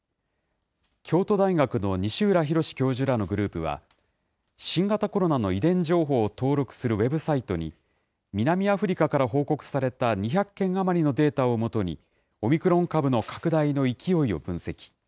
京都大学の西浦博教授らのグループは、新型コロナの遺伝情報を登録するウェブサイトに、南アフリカから報告された２００件余りのデータを基に、オミクロン株の拡大の勢いを分析。